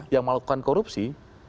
yang melakukan korupsi